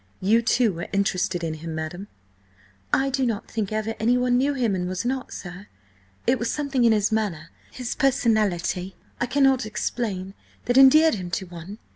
"You, too, were interested in him, madam?" "I do not think ever anyone knew him and was not, sir. It was something in his manner, his personality–I cannot explain–that endeared him to one.